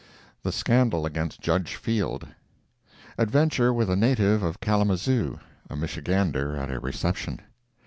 The Scandal Against Judge Field. Adventure with a Native of Kalamazoo—A Michigander at a Reception.